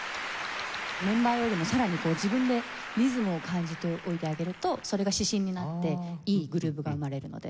メンバーよりもさらにこう自分でリズムを感じておいてあげるとそれが指針になっていいグルーヴが生まれるので。